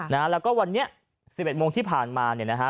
นะฮะแล้วก็วันนี้สิบเอ็ดโมงที่ผ่านมาเนี่ยนะฮะ